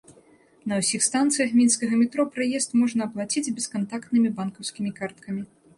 На ўсіх станцыях мінскага метро праезд можна аплаціць бескантактнымі банкаўскімі карткамі.